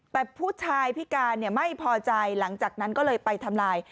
แต่ผู้ชายพิการไม่พอใจหลังจากนั้นก็เลยไปทำลาย